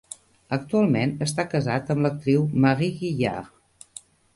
Actualment, està casat amb l'actriu Marie Guillard.